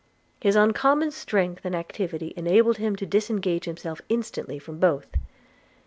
His uncommon strength and activity enabled him to disengage himself instantly from both.